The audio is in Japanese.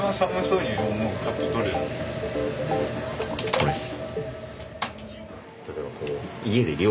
これっす。